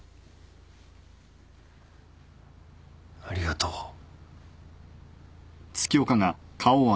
ありがとう。